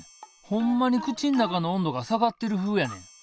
ほんまに口ん中の温度が下がってるふうやねん。